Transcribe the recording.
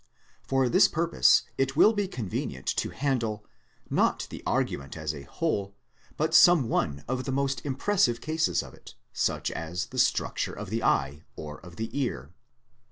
For this purpose it will be convenient to handle, not the argument as a whole, but some one of the most impressive cases of it, such as the structure of the eye, or of the ear.